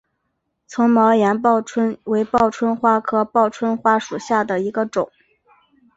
丛毛岩报春为报春花科报春花属下的一个种。